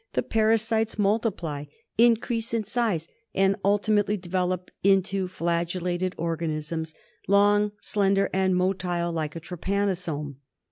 the parasites multiply, increase in size, and ultimately develop into flagellated organisms, long, slender and motile like a trypanosome.